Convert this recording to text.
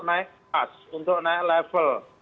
naik pas untuk naik level